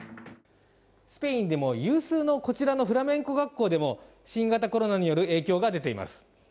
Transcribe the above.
スペインでも有数のこちらのフラメンコ学校でも新型コロナによる影響が出ています。